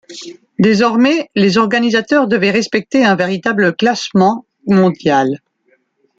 Désormais les organisateurs devaient respecter un véritable classement mondial.